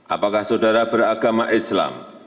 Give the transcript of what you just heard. apakah saudara beragama islam